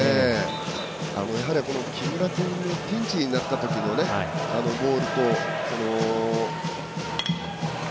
やはり、木村君がピンチになったときのボールと。